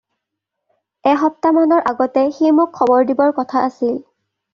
এসপ্তাহমানৰ আগতে সি মোক খবৰ দিবৰ কথা আছিল।